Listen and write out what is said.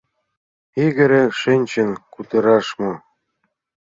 Йыгыре шинчын кутыраш мо?